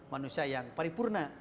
manusia yang peripurna